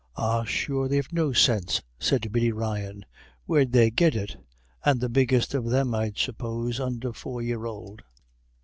"Ah, sure they've no sinse," said Biddy Ryan. "Where'd they git it? And the biggest of them, I'd suppose, under four year ould."